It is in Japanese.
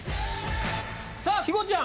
さあ肥後ちゃん